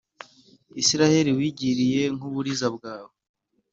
Israheli wigiriye nk’uburiza bwawe.